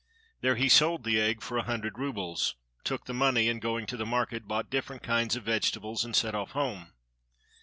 There he sold the egg for a hundred roubles, took the money, and, going to the market, bought different kinds of vegetables and set off home.